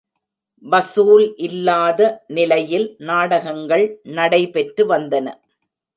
வசூல் இல்லாத நிலையில் நாடகங்கள் நடைபெற்று வந்தன.